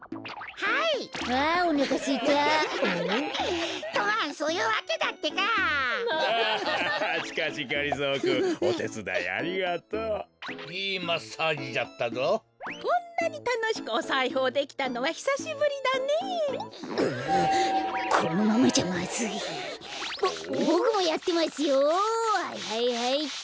はいはいはいっと。